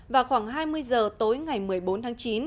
vào khoảng hai mươi giờ tối ngày một mươi bốn tháng chín